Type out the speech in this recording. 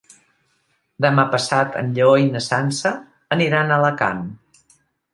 Demà passat en Lleó i na Sança aniran a Alacant.